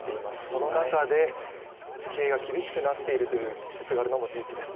その中で、経営が厳しくなっているという施設があるのも事実です。